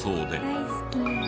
大好き。